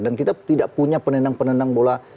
dan kita tidak punya penendang penendang bola